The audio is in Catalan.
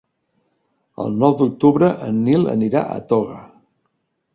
El nou d'octubre en Nil anirà a Toga.